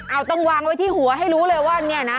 เอาต้องวางไว้ที่หัวให้รู้เลยว่าเนี่ยนะ